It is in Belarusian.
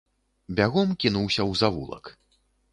Бягом кінуўся ў завулак.